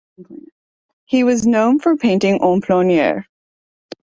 He was known for painting en plein aire.